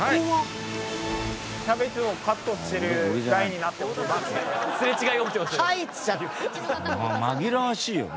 「はい！」